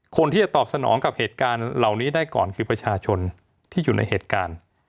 คนที่จะตอบสนองกับเหตุการณ์เหล่านี้ได้ก่อนคือประชาชนที่อยู่ในเหตุการณ์